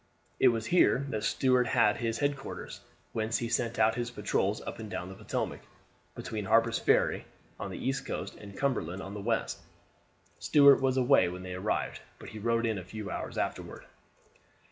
It was here that Stuart had his headquarters, whence he sent out his patrols up and down the Potomac, between Harper's Ferry on the east and Cumberland on the west. Stuart was away when they arrived, but he rode in a few hours afterward.